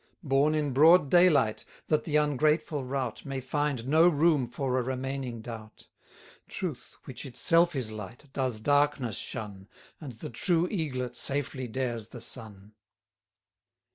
Born in broad day light, that the ungrateful rout May find no room for a remaining doubt; 120 Truth, which itself is light, does darkness shun, And the true eaglet safely dares the sun.